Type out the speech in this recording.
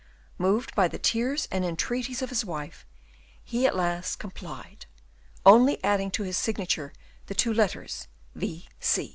Moved by the tears and entreaties of his wife, he at last complied, only adding to his signature the two letters V.